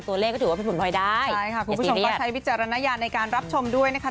ตัวเลขก็ถือว่าเป็นผลพลอยได้ใช่ค่ะคุณผู้ชมก็ใช้วิจารณญาณในการรับชมด้วยนะคะ